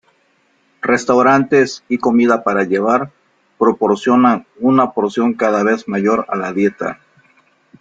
Restaurantes y comida para llevar, proporcionan una porción cada vez mayor a la dieta.